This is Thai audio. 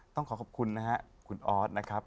ต้องขอขอบคุณนะครับคุณออสนะครับ